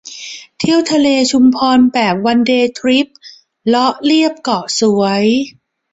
เที่ยวทะเลชุมพรแบบวันเดย์ทริป เลาะเลียบเกาะสวย